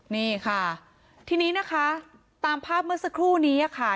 นี่ค่ะทีนี้นะคะตามภาพเมื่อสักครู่นี้ค่ะ